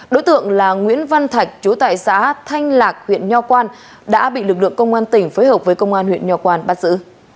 đối tượng là nguyễn văn thạch chú tại xã thanh lạc huyện nho quang đã bị lực lượng công an tỉnh phối hợp với công an huyện nho quan bắt giữ